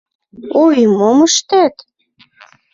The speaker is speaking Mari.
Ой, мом ыштем?!.